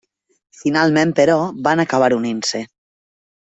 Finalment però, van acabar unint-se.